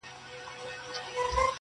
بيا ناڅاپه څوک يوه جمله ووايي او بحث سي,